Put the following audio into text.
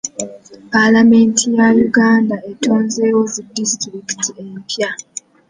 Palamenti ya Uganda etonzeewo zi disitulikiti empya.